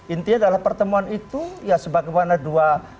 intinya adalah pertemuan itu ya sebagaimana dua